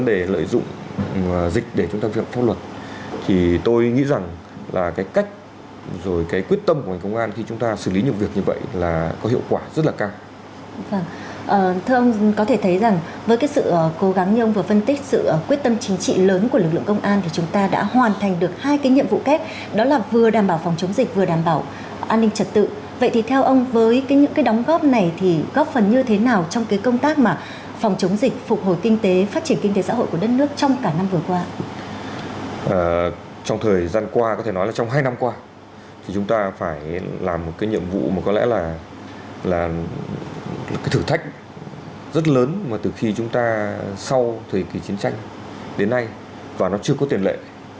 trong thời gian qua có thể nói là trong hai năm qua thì chúng ta phải làm một cái nhiệm vụ mà có lẽ là thử thách rất lớn mà từ khi chúng ta sau thời kỳ chiến tranh đến nay và nó chưa có tiền lệ